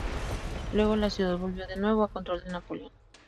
Luego la ciudad volvió de nuevo a control de Napoleón.